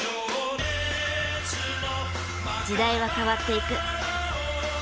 時代は変わっていく。